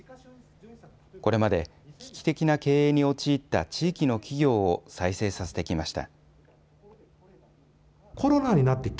これまで危機的な経営に陥った地域の企業を再生させてきました。